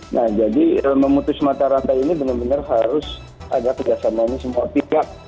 nah jadi memutus mata rantai ini benar benar harus ada kerjasama ini semua pihak